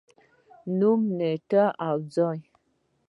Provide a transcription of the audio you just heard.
نوم، نېټې او یا ځايونه